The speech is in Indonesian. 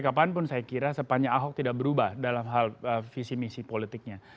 kapanpun saya kira sepanjang ahok tidak berubah dalam hal visi misi politiknya